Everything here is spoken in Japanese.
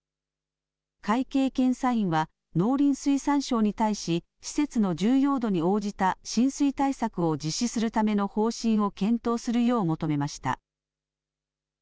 会計検査院は、農林水産省に対し、施設の重要度に応じた浸水対策を実施するための方針を検討するよう求めました。